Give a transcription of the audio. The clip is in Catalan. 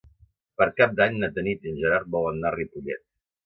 Per Cap d'Any na Tanit i en Gerard volen anar a Ripollet.